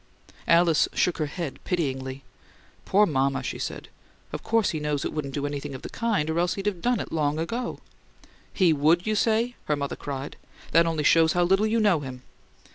Alice shook her head pityingly. "Poor mama!" she said. "Of course he knows it wouldn't do anything of the kind, or else he'd have done it long ago." "He would, you say?" her mother cried. "That only shows how little you know him!"